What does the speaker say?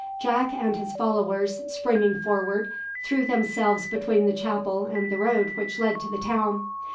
Jack and his followers, springing forward, threw themselves between the chapel and the road which led to the town.